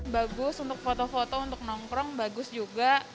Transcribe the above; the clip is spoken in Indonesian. bagus untuk foto foto untuk nongkrong bagus juga